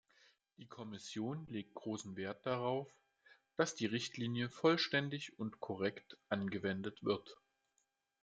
Die Kommission legt großen Wert darauf, dass die Richtlinie vollständig und korrekt angewendet wird.